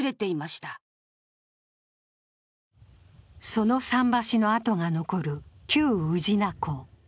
その桟橋のあとが残る旧宇品港。